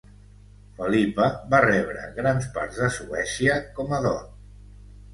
Felipa va rebre grans parts de Suècia com a dot.